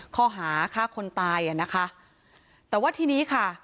ข้อหาฆ่าคนตายอ่ะนะคะแต่ว่าทีนี้ค่ะ